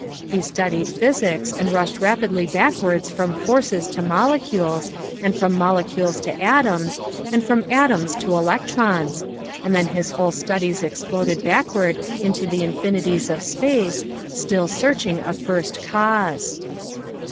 He studied physics and rushed rapidly backwards from forces to molecules, and from molecules to atoms, and from atoms to electrons, and then his whole studies exploded backward into the infinities of space, still searching a first cause.